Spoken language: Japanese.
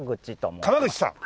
川口さん。